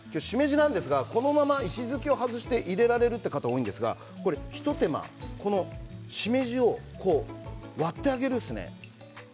このまま石突きを外して入れられる方が多いんですが一手間、しめじを割ってあげるんですね。